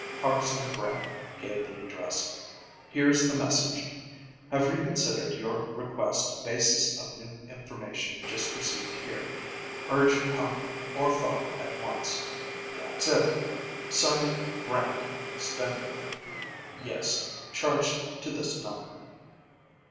Hartson Brant gave the address. "Here's the message. 'Have reconsidered your request basis of new information just received here. Urge you come or phone at once.' That's it. Sign it 'Brant, Spindrift.' Yes. Charge to this number."